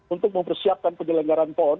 untuk mempersiapkan penyelenggaran pon